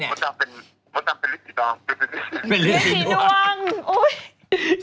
เป็นฤทธิดวังโอ๊ยฤทธิดวัง